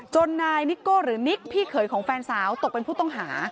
นายนิโก้หรือนิกพี่เขยของแฟนสาวตกเป็นผู้ต้องหา